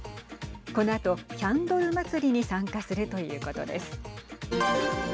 このあと、キャンドル祭りに参加するということです。